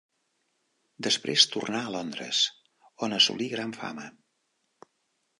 Després tornà a Londres, on assolí gran fama.